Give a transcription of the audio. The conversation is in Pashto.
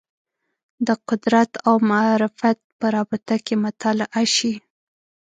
د قدرت او معرفت په رابطه کې مطالعه شي